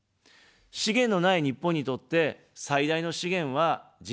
資源のない日本にとって最大の資源は人材です。